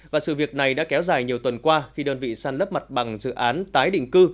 và sự việc này đã kéo dài nhiều tuần qua khi đơn vị săn lấp mặt bằng dự án tái định cư